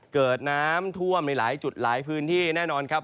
เกิดน้ำท่วมในหลายจุดหลายพื้นที่แน่นอนครับ